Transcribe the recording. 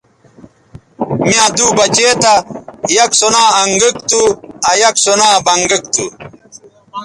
می یاں دُو بچے تھا یک سو نا انگک تھو آ یک سو نا بنگک تھو